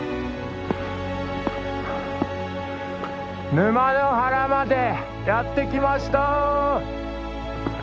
沼ノ原までやって来ました！